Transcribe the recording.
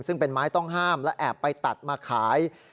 ซึ่งเป็นไม้ต้องห้ามและแอบไปตัดมาขาย